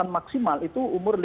nah apakah kita bisa kemampuan apa